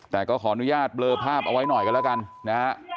แต่ก็ขออนุญาตเบลอภาพเอาไว้หน่อยกันแล้วกันนะฮะ